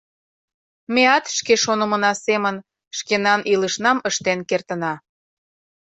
Меат шке шонымына семын шкенан илышнам ыштен кертына.